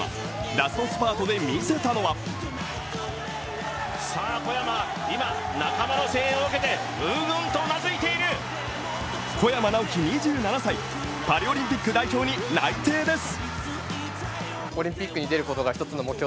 ラストスパートでみせたのは小山直城２７歳、パリオリンピック代表に内定です。